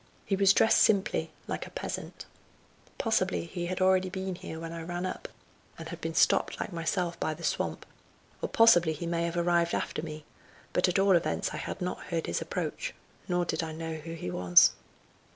He was dressed simply, like a peasant. Possibly he had been already here when I ran up, and had been stopped like myself by the swamp, or possibly he may have arrived after me; but at all events I had not heard his approach, nor did I know who he was.